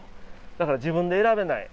だから自分で選べない。